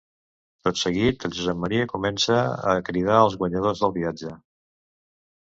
Tot seguit, el Josep Maria comença a cridar els guanyadors del viatge.